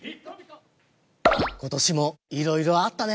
ことしもいろいろあったね。